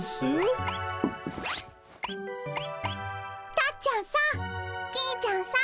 たっちゃんさん。